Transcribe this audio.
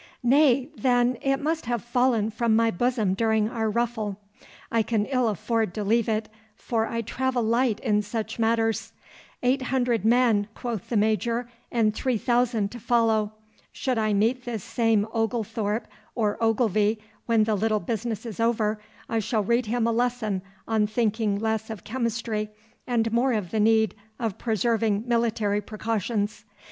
'Nay, then, it must have fallen from my bosom during our ruffle. I can ill afford to leave it, for I travel light in such matters. Eight hundred men, quoth the major, and three thousand to follow. Should I meet this same Oglethorpe or Ogilvy when the little business is over, I shall read him a lesson on thinking less of chemistry and more of the need of preserving military precautions.